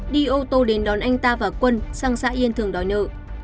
đi ô tô đến đón anh ta và quân sang xã yên thường đòi nợ